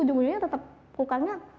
ujung ujungnya tetap kukangnya